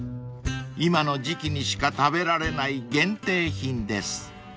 ［今の時季にしか食べられない限定品です］